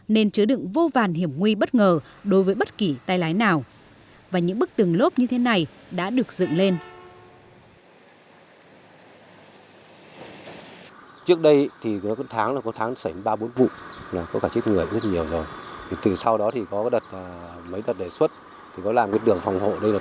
giữa đựng vô vàn hiểm nguy bất ngờ đối với bất kỳ tay lái nào và những bức tường lốp như thế này đã được dựng lên